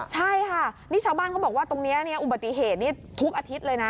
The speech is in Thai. ใช่ค่ะนี่ชาวบ้านเขาบอกว่าตรงนี้อุบัติเหตุนี้ทุกอาทิตย์เลยนะ